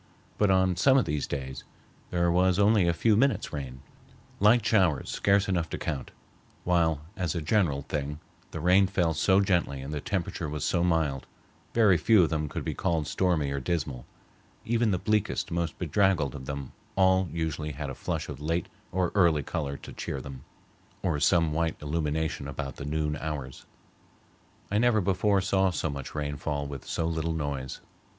But on some of these days there was only a few minutes' rain, light showers scarce enough to count, while as a general thing the rain fell so gently and the temperature was so mild, very few of them could be called stormy or dismal; even the bleakest, most bedraggled of them all usually had a flush of late or early color to cheer them, or some white illumination about the noon hours. I never before saw so much rain fall with so little noise.